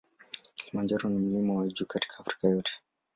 Kilimanjaro na mlima wa juu katika Afrika yote.